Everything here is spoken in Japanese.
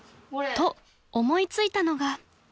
［と思いついたのが］